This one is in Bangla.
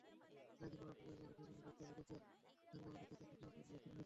আইনশৃঙ্খলা রক্ষাকারী বাহিনী যেখানে জটলা দেখেছে, হাঙ্গামা দেখেছে, সেখানে তারা ব্যবস্থা নিয়েছে।